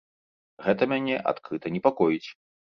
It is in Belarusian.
Гэта мяне адкрыта непакоіць.